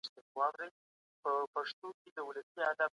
د انفرادیت او ځانګړتیاوو په رڼا کي د تعاملاتو مطالعه وروسته راستنیږي.